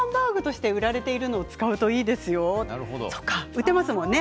売っていますものね